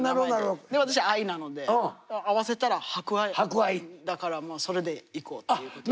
で私愛なので合わせたら「博愛」だからまあそれでいこうっていうことで。